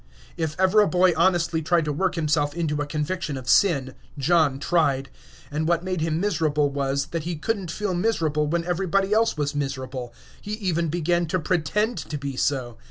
If ever a boy honestly tried to work himself into a conviction of sin, John tried. And what made him miserable was, that he couldn't feel miserable when everybody else was miserable. He even began to pretend to be so.